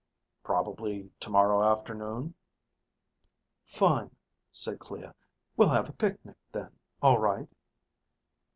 "Probably tomorrow afternoon." "Fine," said Clea. "We'll have a picnic then, all right?"